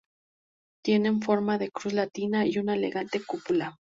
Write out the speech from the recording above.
Tiene forma de cruz latina y una elegante cúpula.